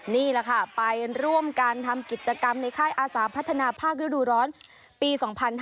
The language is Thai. นี่แหละค่ะไปร่วมการทำกิจกรรมในค่ายอาสาพัฒนาภาคฤดูร้อนปี๒๕๕๙